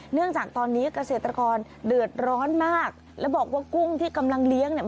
เนื่องจากตอนนี้เกษตรกรเดือดร้อนมากแล้วบอกว่ากุ้งที่กำลังเลี้ยงเนี่ย